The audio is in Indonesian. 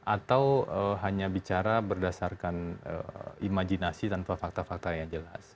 atau hanya bicara berdasarkan imajinasi tanpa fakta fakta yang jelas